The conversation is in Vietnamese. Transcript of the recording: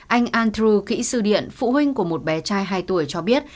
anh andrew kỹ sư điện phụ huynh của một bé trai hai tuổi cho biết